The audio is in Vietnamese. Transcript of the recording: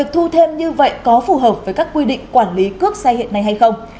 thu thêm như vậy có phù hợp với các quy định quản lý cướp xe hiện nay hay không